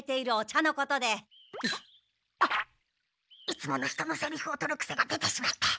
いつもの人のセリフを取るくせが出てしまった。